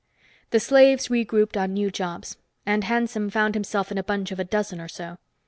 The slaves regrouped on new jobs, and Hanson found himself in a bunch of a dozen or so.